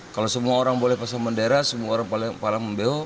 kalau semua orang boleh pasang bendera semua orang paling parah membeu